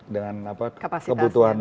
dengan apa kebutuhan